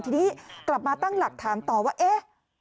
ทีนี้กลับมาตั้งหลักถามต่อว่าเอ๊ะ